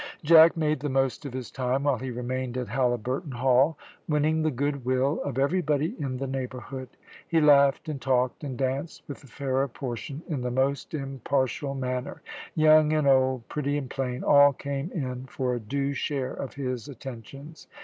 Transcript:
Jack made the most of his time while he remained at Halliburton Hall, winning the good will of everybody in the neighbourhood. He laughed and talked and danced with the fairer portion in the most impartial manner; young and old, pretty and plain, all came in for a due share of his attentions.